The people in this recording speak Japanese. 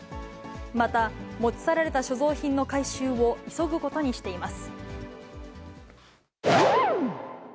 また、持ち去られた所蔵品の回収を急ぐことにしています。